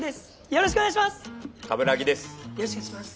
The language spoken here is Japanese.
よろしくお願いします。